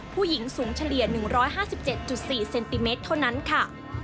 ผู้หญิงสูงเฉลี่ย๑๕๗๔เซนติเมตรเท่านั้นค่ะ